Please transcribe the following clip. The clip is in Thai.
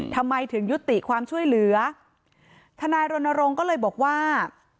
ทำไมถึงยุติความช่วยเหลือทนายรณรงค์ก็เลยบอกว่า